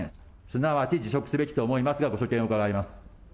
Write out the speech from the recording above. すなわち辞職すべきと思いますが、ご所見を伺います。